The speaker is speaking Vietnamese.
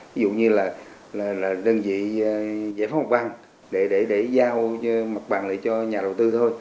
ví dụ như là đơn vị giải phóng mặt bằng để giao mặt bằng lại cho nhà đầu tư thôi